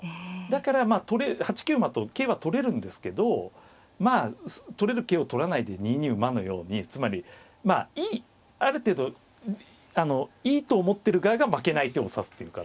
だからまあ８九馬と桂は取れるんですけどまあ取れる桂を取らないで２二馬のようにつまりまあいいある程度いいと思ってる側が負けない手を指すっていうかね。